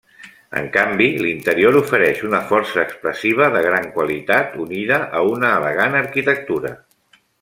En canvi, l'interior ofereix una força expressiva de gran qualitat, unida a una elegant arquitectura.